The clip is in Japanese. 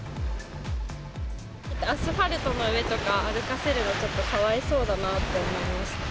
アスファルトの上とか歩かせるの、ちょっとかわいそうだなと思いました。